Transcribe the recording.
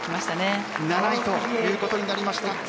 ７位ということになりました。